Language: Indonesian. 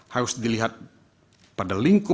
harus dilihat pada lingkungan yang berbeda